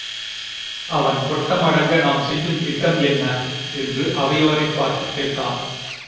அவன் கொட்டம் அடங்க நாம் செய்யும் திட்டம் என்ன? என்று அவையோரைப் பார்த்துக் கேட்டான்.